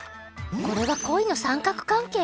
これは恋の三角関係！？